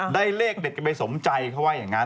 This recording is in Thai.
ได้เลขที่สมใจเข้าไว้อย่างนั้น